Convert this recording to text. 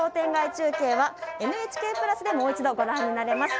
中継はＮＨＫプラスでもう一度ご覧になれます。